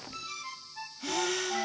はあ。